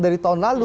dari tahun lalu